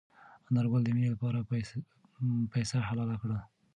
انارګل د مېنې لپاره پسه حلال کړ.